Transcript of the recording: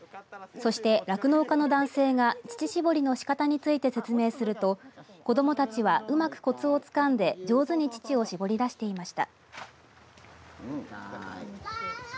そして酪農家の男性が乳搾りのしかたについて説明すると子どもたちはうまくコツをつかんで上手に乳搾りをしていました。